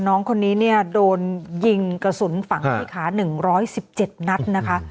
น้องคนนี้โดนยิงกระสุนฝังในขา๑๑๗นัดนะคะ